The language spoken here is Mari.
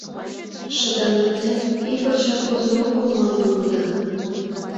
Шыдаҥ пытен, ик пырчат кодын огыл, манын улыда.